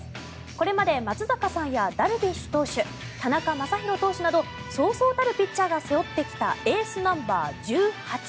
これまで松坂さんやダルビッシュ投手田中将大投手などそうそうたるピッチャーが背負ってきたエースナンバー１８。